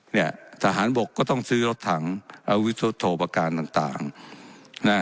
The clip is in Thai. เนี้ยทหารบกก็ต้องซื้อลดถังอาวุธโทพกรต่างต่างน่ะ